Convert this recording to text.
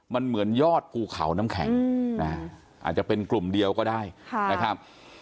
มันเหมือนยอดภูเขาน้ำแข็งอาจจะเป็นกลุ่มเดียวก็ได้นะครับ